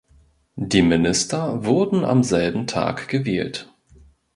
Die Minister wurden am selben Tag gewählt.